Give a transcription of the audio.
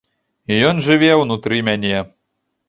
Ён жыве ўнутры мяне.